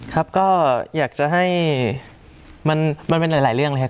ครับก็อยากจะให้มันเป็นหลายเรื่องนะครับ